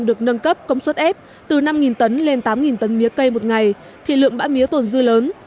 được nâng cấp công suất ép từ năm tấn lên tám tấn mía cây một ngày thì lượng bã mía tồn dư lớn